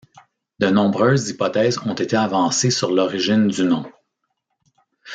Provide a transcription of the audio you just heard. De nombreuses hypothèses ont été avancées sur l'origine du nom.